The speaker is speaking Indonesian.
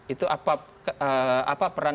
itu apa peran